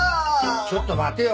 ちょっと待てよ。